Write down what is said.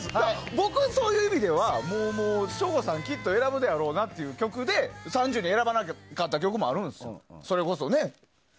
僕、そういう意味では省吾さんきっと選ぶであろう曲で３０に選ばなかった曲もあるんですよ。